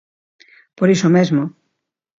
Por iso mesmo.